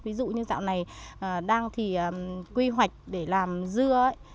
ví dụ như dạo này đang thì quy hoạch để làm dưa ấy